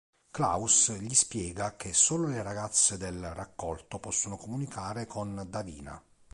Klaus gli spiega che solo le ragazze del Raccolto possono comunicare con Davina.